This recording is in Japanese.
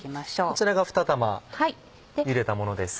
こちらが２玉ゆでたものです。